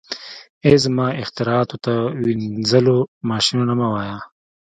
او زما اختراعاتو ته مینځلو ماشینونه مه وایه